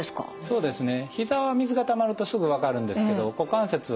そうですね。